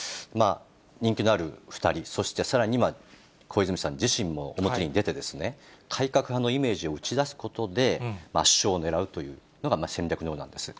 人気のある２人、そしてさらには、小泉さん自身も表に出て、改革派のイメージを打ち出すことで、圧勝をねらうというのが戦略のようなんです。